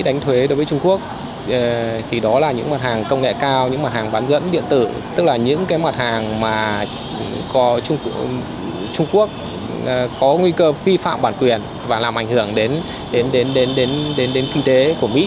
nếu mà trung quốc có nguy cơ vi phạm bản quyền và làm ảnh hưởng đến kinh tế của mỹ